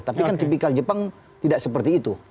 tapi kan tipikal jepang tidak seperti itu